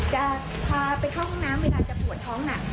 จะพาไปเข้าห้องน้ำเวลาจะปวดท้องหนัก